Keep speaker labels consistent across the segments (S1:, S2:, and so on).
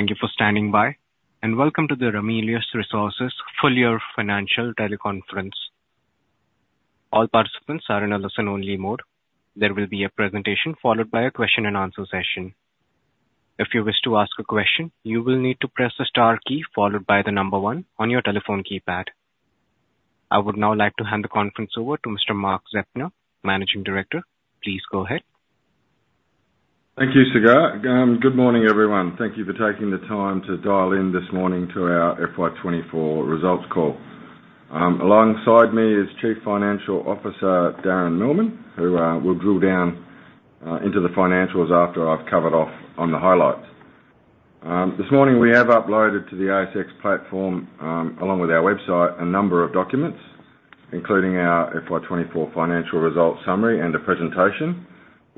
S1: Thank you for standing by, and welcome to the Ramelius Resources full year financial teleconference. All participants are in a listen-only mode. There will be a presentation followed by a question and answer session. If you wish to ask a question, you will need to press the star key followed by the number one on your telephone keypad. I would now like to hand the conference over to Mr. Mark Zeptner, Managing Director. Please go ahead.
S2: Thank you, Sagar. Good morning, everyone. Thank you for taking the time to dial in this morning to our FY24 results call. Alongside me is Chief Financial Officer, Darren Millman, who will drill down into the financials after I've covered off on the highlights. This morning we have uploaded to the ASX platform, along with our website, a number of documents, including our FY24 financial results summary and a presentation,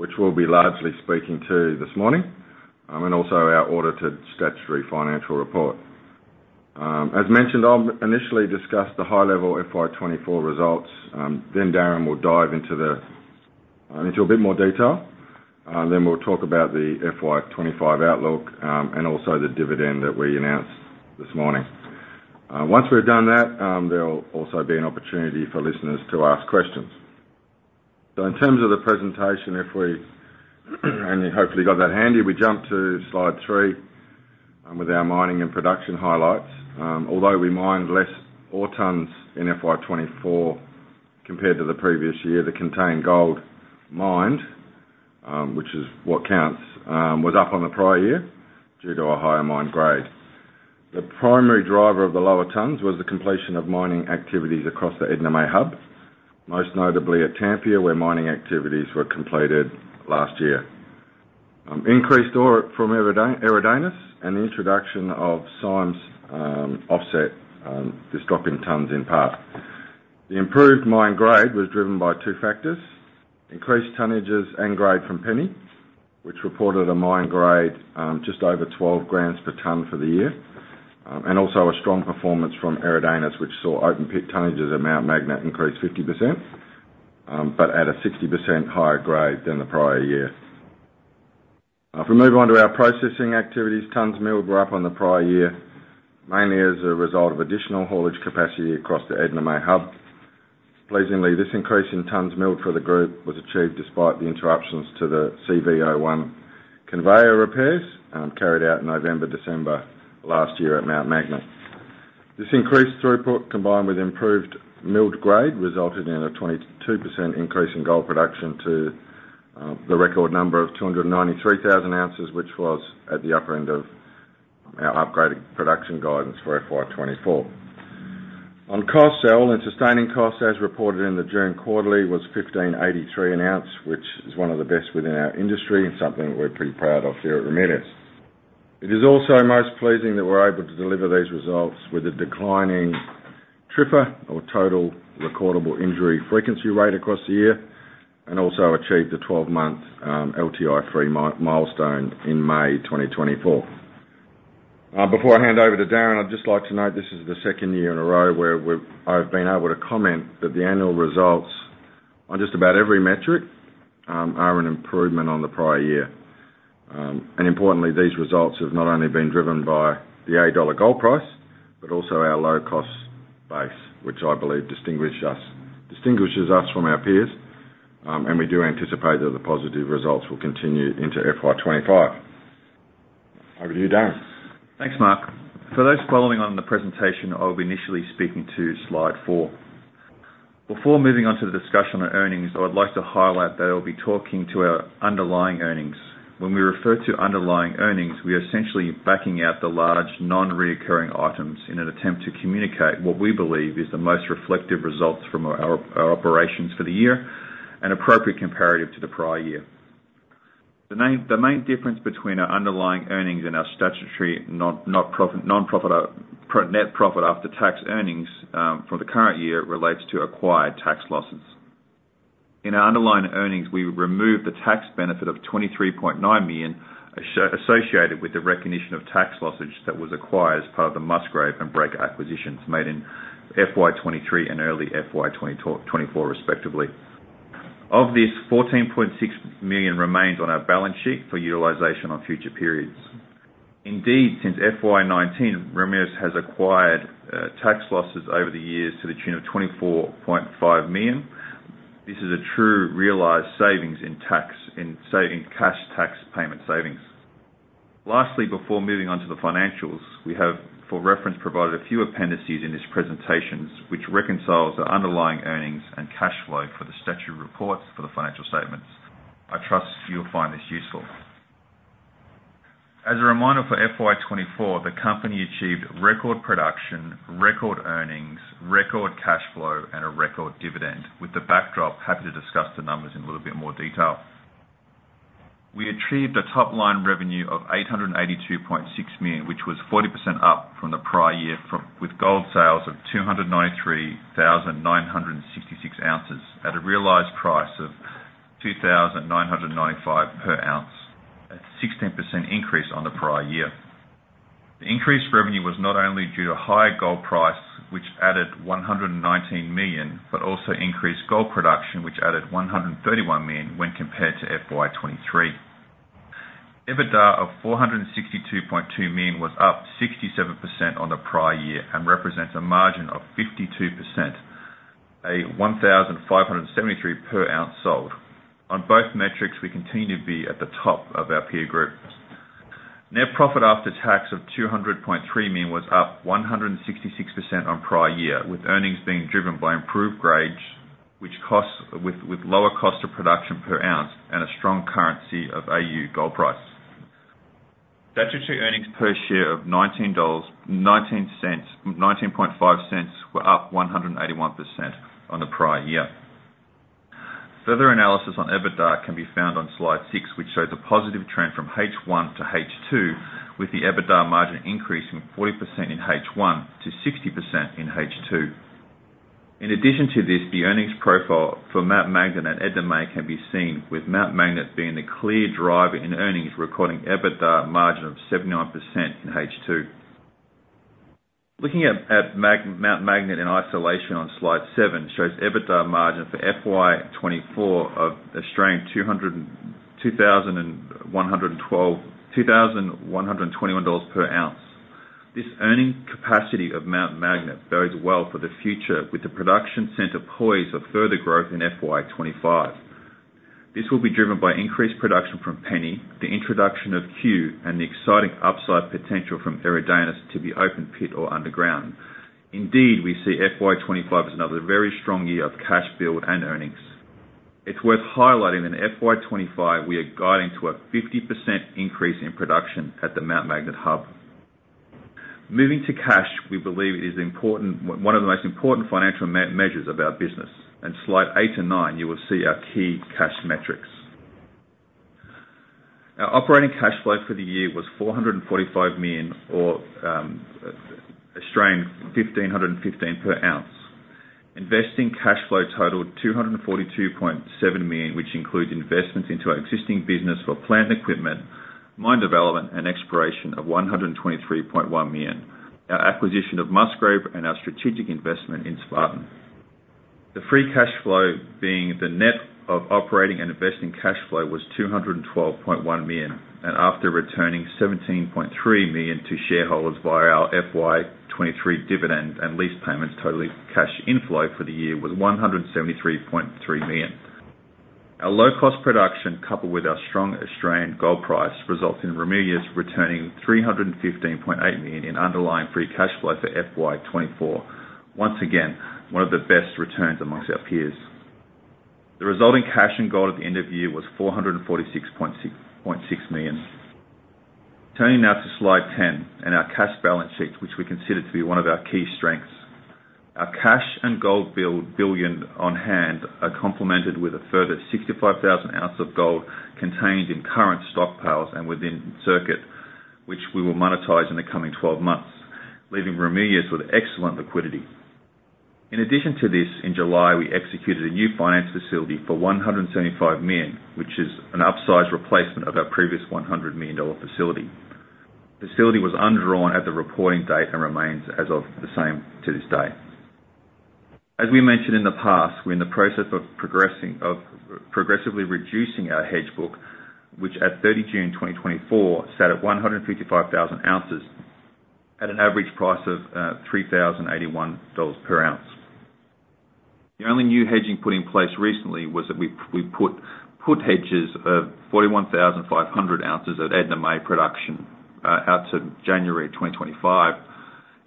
S2: which we'll be largely speaking to this morning, and also our audited statutory financial report. As mentioned, I'll initially discuss the high-level FY24 results, then Darren will dive into a bit more detail. Then we'll talk about the FY25 outlook, and also the dividend that we announced this morning. Once we've done that, there'll also be an opportunity for listeners to ask questions. In terms of the presentation, if we and you hopefully got that handy, we jump to slide three with our mining and production highlights. Although we mined less ore tonnes in FY 2024 compared to the previous year, the contained gold mined, which is what counts, was up on the prior year due to a higher mine grade. The primary driver of the lower tonnes was the completion of mining activities across the Edna May Hub, most notably at Tampia, where mining activities were completed last year. Increased ore from Eridanus and the introduction of Symes offset this drop in tonnes in part. The improved mine grade was driven by two factors: increased tonnages and grade from Penny, which reported a mine grade just over 12 grams per tonne for the year, and also a strong performance from Eridanus, which saw open pit tonnages at Mount Magnet increase 50%, but at a 60% higher grade than the prior year. If we move on to our processing activities, tonnes milled were up on the prior year, mainly as a result of additional haulage capacity across the Edna May Hub. Pleasingly, this increase in tonnes milled for the group was achieved despite the interruptions to the CV01 conveyor repairs carried out in November, December last year at Mount Magnet. This increased throughput, combined with improved milled grade, resulted in a 22% increase in gold production to the record number of 293,000 ounces, which was at the upper end of our upgraded production guidance for FY 2024. AISC, as reported in the June quarterly, was 1,583 an ounce, which is one of the best within our industry and something we're pretty proud of here at Ramelius. It is also most pleasing that we're able to deliver these results with a declining TRIFR, or Total Recordable Injury Frequency Rate, across the year, and also achieved the twelve-month LTI milestone in May 2024. Before I hand over to Darren, I'd just like to note this is the second year in a row where we've--I've been able to comment that the annual results on just about every metric are an improvement on the prior year, and importantly, these results have not only been driven by the eight hundred dollar gold price, but also our low-cost base, which I believe distinguish us--distinguishes us from our peers, and we do anticipate that the positive results will continue into FY25. Over to you, Darren.
S3: Thanks, Mark. For those following on the presentation, I'll be initially speaking to slide four. Before moving on to the discussion on earnings, I would like to highlight that I'll be talking to our underlying earnings. When we refer to underlying earnings, we are essentially backing out the large non-recurring items in an attempt to communicate what we believe is the most reflective results from our operations for the year and appropriate comparative to the prior year. The main difference between our underlying earnings and our statutory net profit after tax earnings for the current year relates to acquired tax losses. In our underlying earnings, we removed the tax benefit of 23.9 million associated with the recognition of tax losses that was acquired as part of the Musgrave and Breaker acquisitions made in FY 2023 and early FY 2024, respectively. Of this, 14.6 million remains on our balance sheet for utilization on future periods. Indeed, since FY 2019, Ramelius has acquired tax losses over the years to the tune of 24.5 million. This is a true realized savings in tax, in saving, cash tax payment savings. Lastly, before moving on to the financials, we have, for reference, provided a few appendices in this presentations, which reconciles the underlying earnings and cash flow for the statutory reports for the financial statements. I trust you will find this useful. As a reminder, for FY 2024, the company achieved record production, record earnings, record cash flow, and a record dividend. With the backdrop, happy to discuss the numbers in a little bit more detail. We achieved a top-line revenue of 882.6 million, which was 40% up from the prior year with gold sales of 293,966 ounces at a realized price of 2,995 per ounce, a 16% increase on the prior year. The increased revenue was not only due to higher gold price, which added 119 million, but also increased gold production, which added 131 million when compared to FY 2023. EBITDA of 462.2 million was up 67% on the prior year and represents a margin of 52%, 1,573 per ounce sold. On both metrics, we continue to be at the top of our peer group. Net profit after tax of 200.3 million was up 166% on prior year, with earnings being driven by improved grades, with lower cost of production per ounce and a strong Aussie gold price. Statutory earnings per share of 0.195 were up 181% on the prior year. Further analysis on EBITDA can be found on slide six, which shows a positive trend from H1 to H2, with the EBITDA margin increasing 40% in H1 to 60% in H2. In addition to this, the earnings profile for Mount Magnet and Edna May can be seen, with Mount Magnet being the clear driver in earnings, recording EBITDA margin of 79% in H2. Looking at Mount Magnet in isolation on slide 7, shows EBITDA margin for FY 2024 of AUD 2,121 per ounce. This earning capacity of Mount Magnet bodes well for the future, with the production center poised for further growth in FY 2025. This will be driven by increased production from Penny, the introduction of Cue, and the exciting upside potential from Eridanus to be open pit or underground. Indeed, we see FY 2025 as another very strong year of cash build and earnings. It's worth highlighting in FY25, we are guiding to a 50% increase in production at the Mount Magnet hub. Moving to cash, we believe it is important one of the most important financial measures of our business, and slides 8 and 9, you will see our key cash metrics. Our operating cash flow for the year was 445 million, or Australian 1,515 per ounce. Investing cash flow totaled 242.7 million, which includes investments into our existing business for plant equipment, mine development, and exploration of 123.1 million, our acquisition of Musgrave, and our strategic investment in Spartan. The free cash flow, being the net of operating and investing cash flow, was 212.1 million, and after returning 17.3 million to shareholders via our FY 2023 dividend and lease payments, total cash inflow for the year was 173.3 million. Our low-cost production, coupled with our strong Australian gold price, results in Ramelius returning 315.8 million in underlying free cash flow for FY 2024. Once again, one of the best returns amongst our peers. The resulting cash and gold at the end of year was 446.6 million. Turning now to slide 10 and our cash balance sheet, which we consider to be one of our key strengths. Our cash and gold bullion on hand are complemented with a further 65,000 ounces of gold contained in current stockpiles and within circuit, which we will monetize in the coming twelve months, leaving Ramelius with excellent liquidity. In addition to this, in July, we executed a new finance facility for 175 million, which is an upsized replacement of our previous 100 million dollar facility. The facility was undrawn at the reporting date and remains as of the same to this day. As we mentioned in the past, we're in the process of progressively reducing our hedge book, which at 30 June 2024, sat at 155,000 ounces at an average price of three thousand and eighty-one dollars per ounce. The only new hedging put in place recently was that we put hedges of 41,500 ounces at Edna May production, out to January 2025,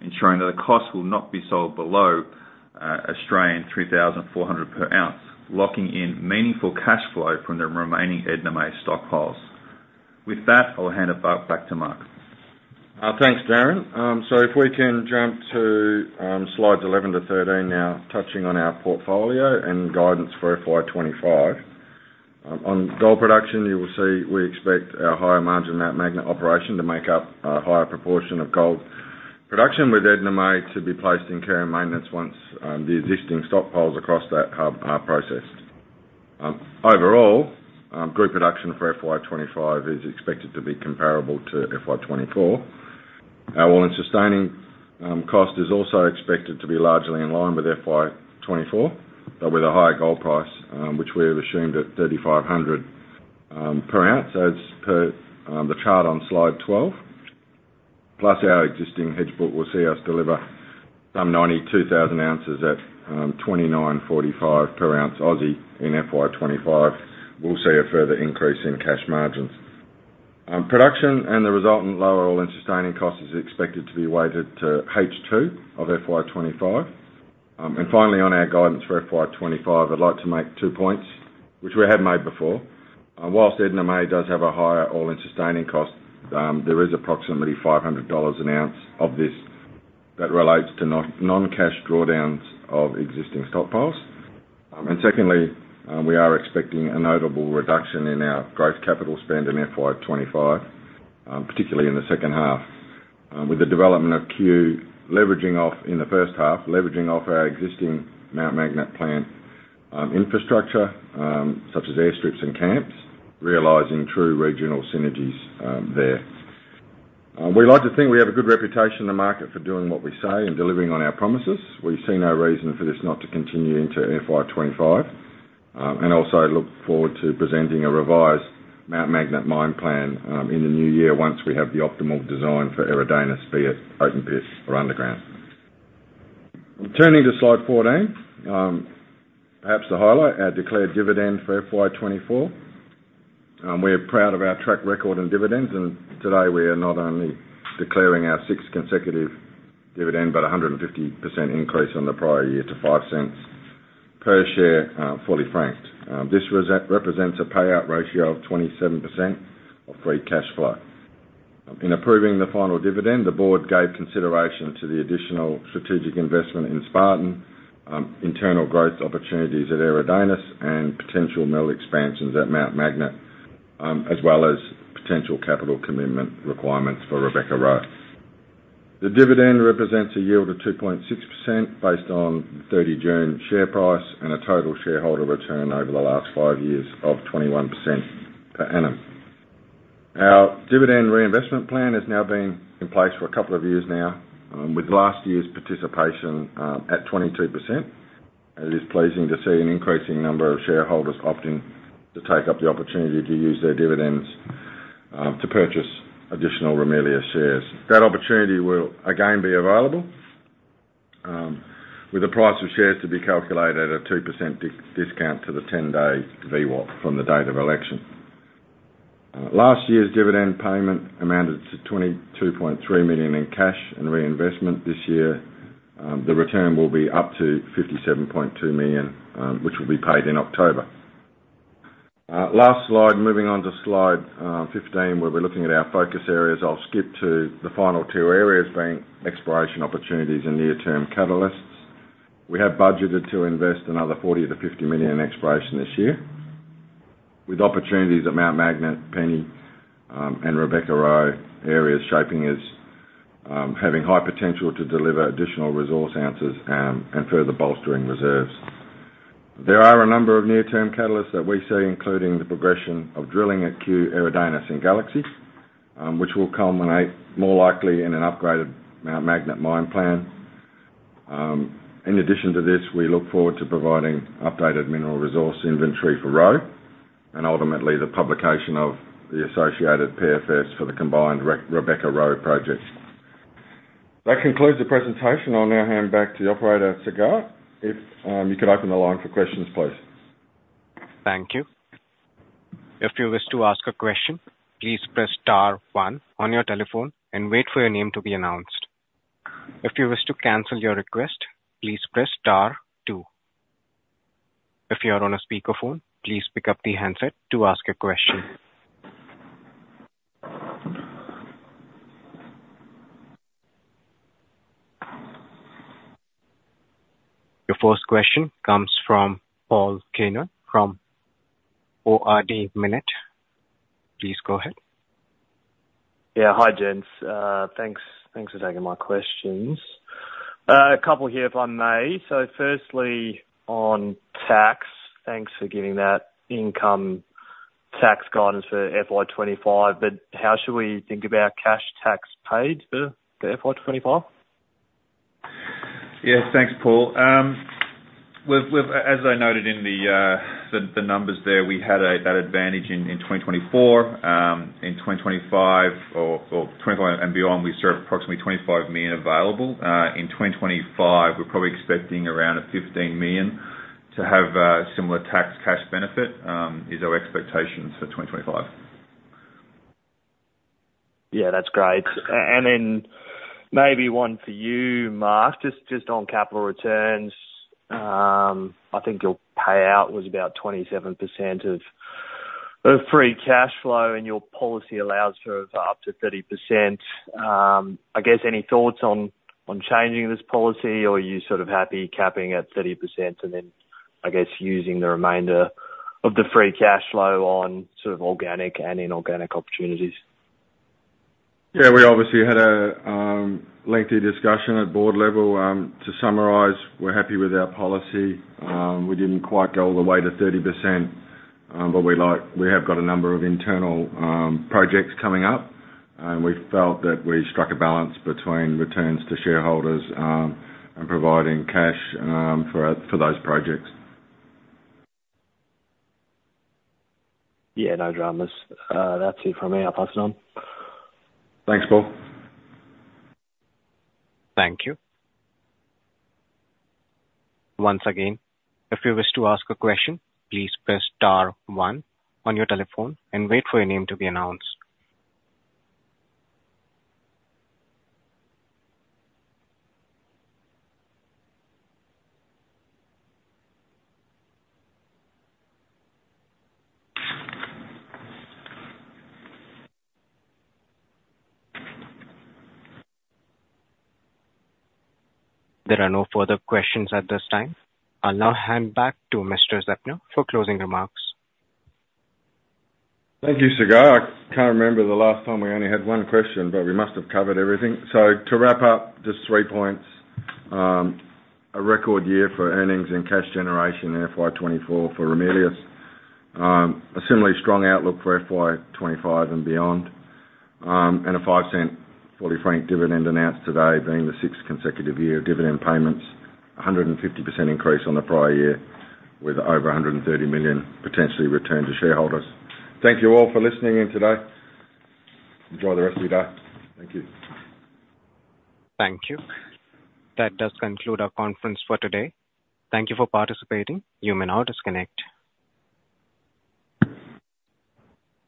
S3: ensuring that the cost will not be sold below 3,400 per ounce, locking in meaningful cash flow from the remaining Edna May stockpiles. With that, I'll hand it back to Mark.
S2: Thanks, Darren. If we can jump to slides 11 to 13 now, touching on our portfolio and guidance for FY25. On gold production, you will see we expect our higher margin Mount Magnet operation to make up a higher proportion of gold production, with Edna May to be placed in care and maintenance once the existing stockpiles across that hub are processed. Overall, group production for FY25 is expected to be comparable to FY24. Our AISC is also expected to be largely in line with FY24, but with a higher gold price, which we have assumed at 3,500 per ounce. It's per the chart on slide 12. Plus, our existing hedge book will see us deliver some 92,000 ounces at 2,945 per ounce in FY 2025. We'll see a further increase in cash margins. Production and the resultant lower all-in sustaining cost is expected to be weighted to H2 of FY 2025. Finally, on our guidance for FY 2025, I'd like to make two points, which we have made before. While Edna May does have a higher all-in sustaining cost, there is approximately 500 dollars an ounce of this that relates to non-cash drawdowns of existing stockpiles. Secondly, we are expecting a notable reduction in our growth capital spend in FY 2025, particularly in the second half. With the development of Cue, leveraging off in the first half, leveraging off our existing Mount Magnet plant. infrastructure, such as airstrips and camps, realizing true regional synergies, there. We like to think we have a good reputation in the market for doing what we say and delivering on our promises. We see no reason for this not to continue into FY25, and also look forward to presenting a revised Mount Magnet mine plan, in the new year once we have the optimal design for Eridanus split, open pit or underground. Turning to Slide 14, perhaps the highlight, our declared dividend for FY24. We're proud of our track record on dividends, and today we are not only declaring our sixth consecutive dividend, but 150% increase on the prior year to 0.05 per share, fully franked. This represents a payout ratio of 27% of free cash flow. In approving the final dividend, the board gave consideration to the additional strategic investment in Spartan, internal growth opportunities at Eridanus, and potential mill expansions at Mount Magnet, as well as potential capital commitment requirements for Rebecca/Roe. The dividend represents a yield of 2.6% based on 30 June share price, and a total shareholder return over the last five years of 21% per annum. Our dividend reinvestment plan has now been in place for a couple of years now, with last year's participation, at 22%. It is pleasing to see an increasing number of shareholders opting to take up the opportunity to use their dividends, to purchase additional Ramelius shares. That opportunity will again be available, with the price of shares to be calculated at a 2% discount to the ten-day VWAP from the date of election. Last year's dividend payment amounted to 22.3 million in cash and reinvestment. This year, the return will be up to 57.2 million, which will be paid in October. Last slide. Moving on to slide 15, where we're looking at our focus areas. I'll skip to the final two areas, being exploration opportunities and near-term catalysts. We have budgeted to invest another 40 to 50 million in exploration this year, with opportunities at Mount Magnet, Penny, and Rebecca/Roe areas shaping as, having high potential to deliver additional resource answers, and further bolstering reserves. There are a number of near-term catalysts that we see, including the progression of drilling at Cue, Eridanus and Galaxy, which will culminate more likely in an upgraded Mount Magnet mine plan. In addition to this, we look forward to providing updated mineral resource inventory for Roe, and ultimately the publication of the associated PFS for the combined Re- Rebecca/Roe project. That concludes the presentation. I'll now hand back to the operator, Sagar. If you could open the line for questions, please.
S1: Thank you. If you wish to ask a question, please press star one on your telephone and wait for your name to be announced. If you wish to cancel your request, please press star two. If you are on a speakerphone, please pick up the handset to ask a question. Your first question comes from Paul Keenan from Ord Minnett. Please go ahead.
S4: Yeah. Hi, gents. Thanks for taking my questions. A couple here, if I may. So firstly, on tax, thanks for giving that income tax guidance for FY25, but how should we think about cash tax paid for the FY25?
S2: Yeah, thanks, Paul. As I noted in the numbers there, we had that advantage in 2024. In 2025 and beyond, we have approximately 25 million available. In 2025, we're probably expecting around 15 million to have a similar tax cash benefit. That is our expectation for 2025.
S4: Yeah, that's great. And then maybe one for you, Mark, just on capital returns. I think your payout was about 27% of free cash flow, and your policy allows for up to 30%. I guess any thoughts on changing this policy, or are you sort of happy capping at 30% and then, I guess, using the remainder of the free cash flow on sort of organic and inorganic opportunities?
S2: Yeah, we obviously had a lengthy discussion at board level. To summarize, we're happy with our policy. We didn't quite go all the way to 30%, but we'd like... We have got a number of internal projects coming up, and we felt that we struck a balance between returns to shareholders and providing cash for those projects.
S4: Yeah, no dramas. That's it from me. I'll pass it on.
S2: Thanks, Paul.
S1: Thank you. Once again, if you wish to ask a question, please press star one on your telephone and wait for your name to be announced. There are no further questions at this time. I'll now hand back to Mr. Zeptner for closing remarks.
S2: Thank you, Sagar. I can't remember the last time we only had one question, but we must have covered everything. So to wrap up, just three points. A record year for earnings and cash generation in FY 2024 for Ramelius. A similarly strong outlook for FY 2025 and beyond, and a 0.05 fully franked dividend announced today being the sixth consecutive year of dividend payments, a 150% increase on the prior year, with over 130 million potentially returned to shareholders. Thank you all for listening in today. Enjoy the rest of your day. Thank you.
S1: Thank you. That does conclude our conference for today. Thank you for participating. You may now disconnect.